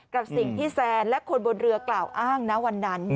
กับสิ่งที่แซนและคนบนเรือกล่าวอ้างนะวันนั้น